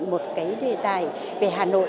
một cái đề tài về hà nội